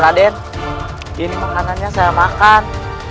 raden ini makanannya saya makan